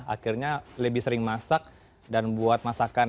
akhirnya lebih sering masak dan buat masakan